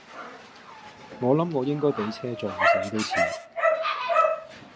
我諗我應該俾車撞死都似